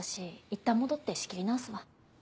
いったん戻って仕切り直すわ。